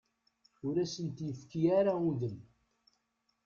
Ur asent-d-yefki ara udem.